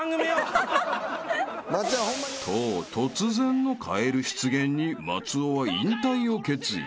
［と突然のカエル出現に松尾は引退を決意］